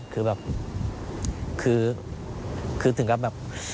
คือแบบคือถึงกับแบบ